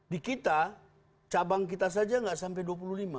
di kita cabang kita saja nggak sampai dua puluh lima